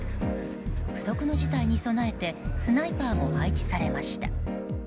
不測の事態に備えてスナイパーも配置されました。